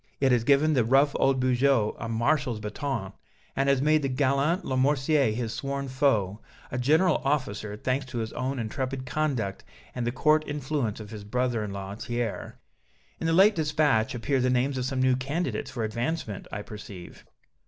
It has given the rough old Bugeaud a Marshal's bâton, and has made the gallant Lamoricière, his sworn foe, a general officer, thanks to his own intrepid conduct and the court influence of his brother in law, Thiers." "In the late dispatch appear the names of some new candidates for advancement, I perceive."